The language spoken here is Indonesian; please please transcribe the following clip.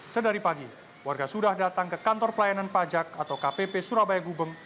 sedari pagi warga sudah datang ke kantor pelayanan pajak atau kpp surabaya gubeng